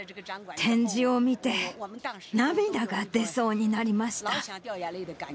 展示を見て、涙が出そうになりました。